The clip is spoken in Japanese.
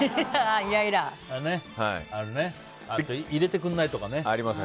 入れてくれないとかね。